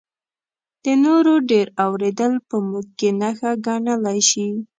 د نورو ډېر اورېدل په موږ کې نښه ګڼلی شي.